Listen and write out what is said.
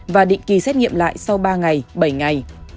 và định kỳ xét nghiệm lại sau ba ngày bảy ngày